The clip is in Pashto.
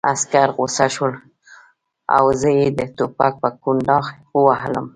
عسکر غوسه شول او زه یې د ټوپک په کونداغ ووهلم